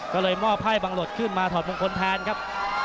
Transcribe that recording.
ก็เลยมอบให้บังหลดขึ้นมาถอดมงคลแทนครับ